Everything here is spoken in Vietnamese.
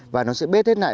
và nó sẽ bết hết lại